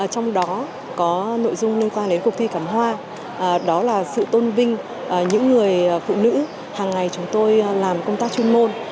trong đó có nội dung liên quan đến cuộc thi cắm hoa đó là sự tôn vinh những người phụ nữ hàng ngày chúng tôi làm công tác chuyên môn